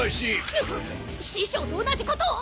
ぬっ師匠と同じことを！